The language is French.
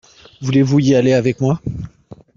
Vous voulez y aller avec moi ?